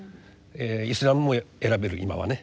イスラムも選べる今はね。